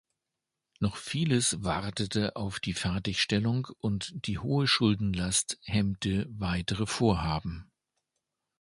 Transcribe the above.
Noch vieles wartete auf die Fertigstellung und die hohe Schuldenlast hemmte weitere Vorhaben.